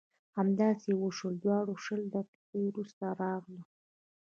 همداسې وشول دواړه شل دقیقې وروسته راغلل.